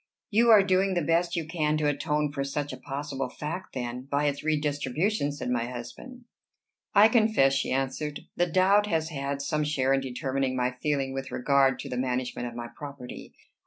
"You are doing the best you can to atone for such a possible fact, then, by its redistribution," said my husband. "I confess," she answered, "the doubt has had some share in determining my feeling with regard to the management of my property.